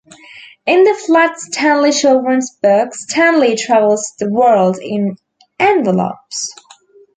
In the Flat Stanley children's books, Stanley travels the world in envelopes.